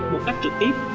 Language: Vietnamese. một cách trực tiếp